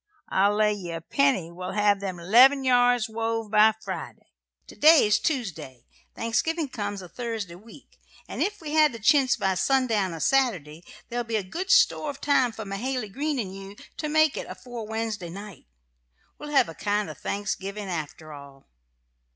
I'll lay ye a penny we'll have them 'leven yards wove by Friday. To day's Tuesday, Thanksgiving comes a Thursday week, an' ef we have the chintz by sundown a Saturday there'll be good store of time for Mahaly Green and you to make it afore Wednesday night. We'll hev a kind of a Thanksgiving, after all.